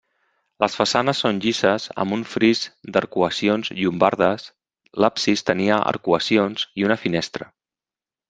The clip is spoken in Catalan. Les façanes són llises amb un fris d'arcuacions llombardes, l'absis tenia arcuacions i una finestra.